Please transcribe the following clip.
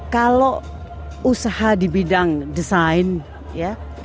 kalau usaha di bidang desain ya